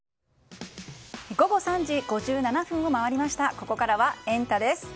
ここからはエンタ！です。